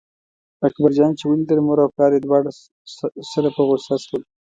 اکبر جان چې ولیدل مور او پلار یې دواړه سره په غوسه شول.